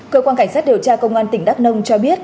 cơ quan cảnh sát điều tra công an tỉnh đắk nông cho biết